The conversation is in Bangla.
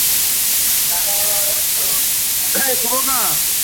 দলে তিনি মূলতঃ ডানহাতি মিডিয়াম-ফাস্ট বোলার ছিলেন।